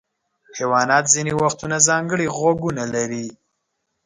حیوانات ځینې وختونه ځانګړي غوږونه لري.